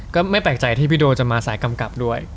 ก็ไม่แปลกใจที่พี่โดจะมาสายกำกับด้วย